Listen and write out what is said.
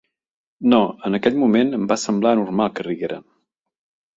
No, en aquell moment, em va semblar normal que rigueren.